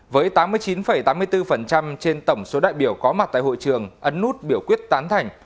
với tám mươi chín tám mươi bốn trên tổng số đại biểu có mặt tại hội trường ấn nút biểu quyết tán thành